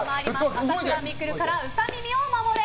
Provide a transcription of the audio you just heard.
朝倉未来からウサ耳を守れ！